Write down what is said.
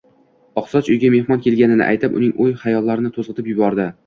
Oqsoch uyga mehmon kelganini aytib, uning o`y-xayollarini to`zg`itib yubordi